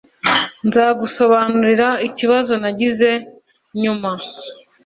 Nzagusobanurira ikibazo nagize nyuma.